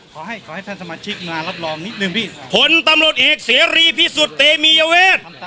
ขอให้ขอให้ท่านสมาชิกมารับรอมนิดหนึ่งพี่ผลต้นรถอีกเสรีพิสุธิมิเยเวศ